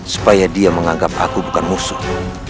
supaya dia menganggap aku bukan musuh